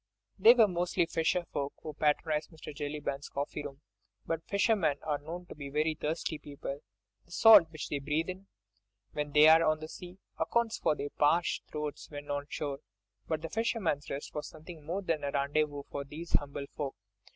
They were mostly fisher folk who patronised Mr. Jellyband's coffee room, but fishermen are known to be very thirsty people; the salt which they breathe in, when they are on the sea, accounts for their parched throats when on shore. But "The Fisherman's Rest" was something more than a rendezvous for these humble folk.